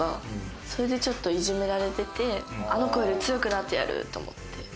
それでいじめられてて、あの子より強くなってやる！と思って。